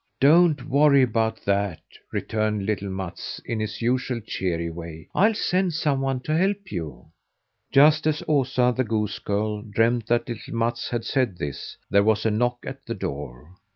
"Don't worry about that," returned little Mats in his usual, cheery way. "I'll send some one to help you." Just as Osa, the goose girl, dreamed that little Mats had said this, there was a knock at the door.